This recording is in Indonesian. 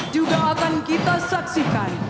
juga akan kita saksikan